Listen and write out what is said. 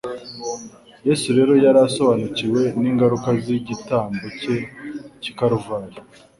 Yesu rero yari asobanukiwe n'ingaruka z'igitambo cye cy'i Kaluvari.